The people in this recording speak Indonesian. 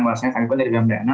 wawasannya kami pun dari bam dna